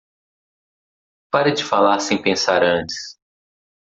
Pare de falar sem pensar antes.